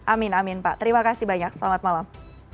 amin amin pak terima kasih banyak selamat malam